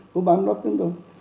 của bản đốc chúng tôi